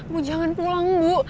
bu jangan pulang bu